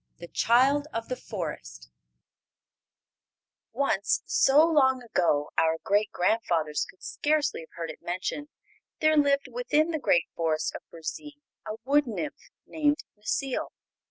The Child of the Forest Once, so long ago our great grandfathers could scarcely have heard it mentioned, there lived within the great Forest of Burzee a wood nymph named Necile.